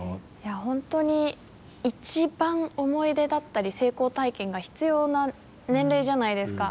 本当に一番思い出だったり成功体験が必要な年齢じゃないですか。